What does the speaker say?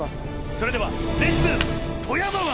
それではレッツ富山湾！